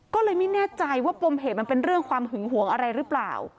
ก็เลยไม่แน่ใจว่าปมเหตุมันเป็นเรื่องความหึงหวงอะไรหรือเปล่า